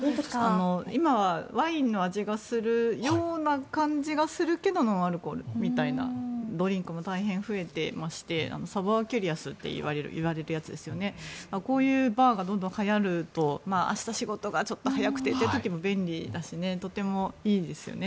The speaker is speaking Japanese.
今はワインの味がするような感じがするけどノンアルコールみたいなドリンクも大変増えていましてこういうバーがどんどんはやると明日、仕事がちょっと早くてという時も便利だし、とってもいいですよね